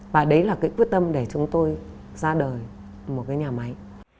và đấy là cái quyết tâm để chúng tôi ra đời một cái nhà máy